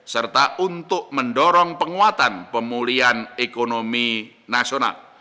serta untuk mendorong penguatan pemulihan ekonomi nasional